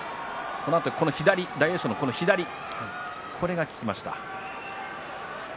このあと大栄翔の左が効きました。